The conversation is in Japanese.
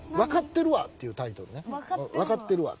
「分かってるわ」。